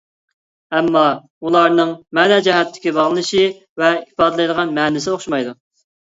ئەمما ئۇلارنىڭ مەنە جەھەتتىكى باغلىنىشى ۋە ئىپادىلەيدىغان مەنىسى ئوخشىمايدۇ.